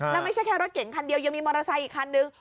แล้วไม่ใช่แค่รถเก่งคันเดียวยังมีมอเตอร์ไซค์อีกคันนึง